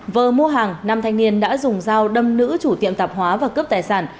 vừa mua hàng năm thanh niên đã dùng dao đâm nữ chủ tiệm tạp hóa và cướp tài sản